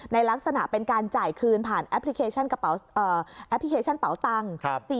ในลักษณะเป็นการจ่ายคืนผ่านแอปพลิเคชันเป๋าตัง๔๐